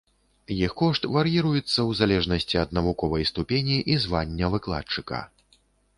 Іх кошт вар'іруецца ў залежнасці ад навуковай ступені і звання выкладчыка.